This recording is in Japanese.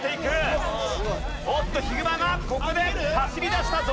おっとヒグマがここで走り出したぞ！